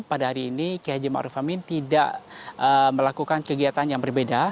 pada hari ini kehajim maruf amin tidak melakukan kegiatan yang berbeda